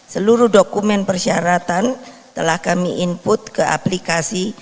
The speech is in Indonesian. seluruh dokumen persyaratan telah kami input ke aplikasi